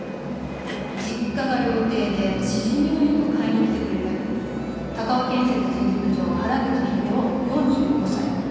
実家が料亭でシジミをよく買いに来てくれる鷹和建設人事部長原口秀夫４５歳。